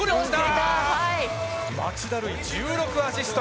町田瑠唯、１６アシスト！